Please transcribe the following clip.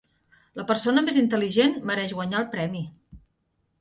La persona més intel·ligent mereix guanyar el premi.